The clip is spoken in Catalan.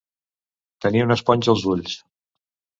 Tenir una esponja als ulls.